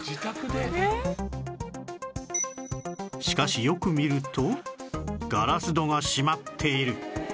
しかしよく見るとガラス戸が閉まっている